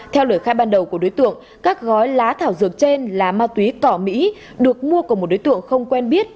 theo lời khai ban đầu của đối tượng các gói lá thảo dược trên là ma túy cỏ mỹ được mua của một đối tượng không quen biết